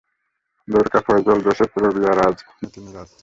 Dwarka, Faizal, Joseph, Ravi আর আজ নীতীরাজান।